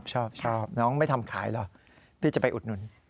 ชอบน้องไม่ทำขายหรอกพี่จะไปอุดหนุน